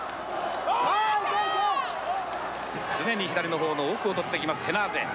常に左のほうの奥を取ってきます、テナーゼ。